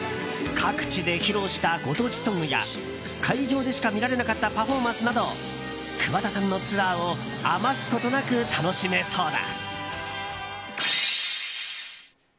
各地で披露したご当地ソングや会場でしか見られなかったパフォーマンスなど桑田さんのツアーを余すことなく楽しめそうだ。